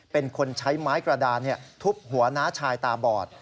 เป็นคนใช้ไม้กระดานทุบหัวน้าชายตาบอด